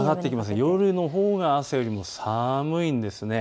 夜のほうが朝よりも寒いんです。